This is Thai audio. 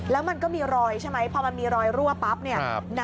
แล้วมันก็มีรอยใช่ไหมพอมันมีรอยรั่วปั๊บเนี่ย